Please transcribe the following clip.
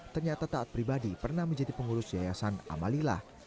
ternyata taat pribadi pernah menjadi pengurus yayasan amalilah